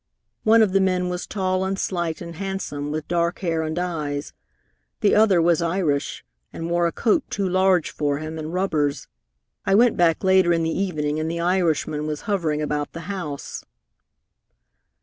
One of the men was tall and slight and handsome, with dark hair and eyes; the other was Irish, and wore a coat too large for him, and rubbers. I went back later in the evening, and the Irishman was hovering about the house."